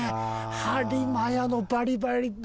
ハリマヤのバリバリの。